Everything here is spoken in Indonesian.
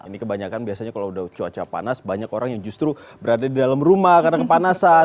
ini kebanyakan biasanya kalau udah cuaca panas banyak orang yang justru berada di dalam rumah karena kepanasan